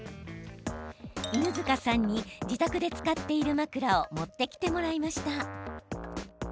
犬塚さんに、自宅で使っている枕を持ってきてもらいました。